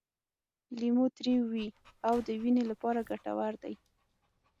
لیمو تریو وي او د وینې لپاره ګټور دی.